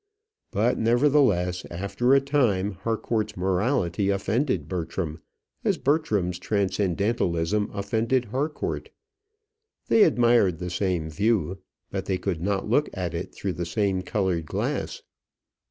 But nevertheless, after a time, Harcourt's morality offended Bertram, as Bertram's transcendentalism offended Harcourt. They admired the same view, but they could not look at it through the same coloured glass.